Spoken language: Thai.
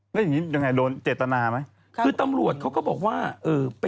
แล้วอย่างงี้ยังไงโดนเจตนาไหมคือตำรวจเขาก็บอกว่าเออ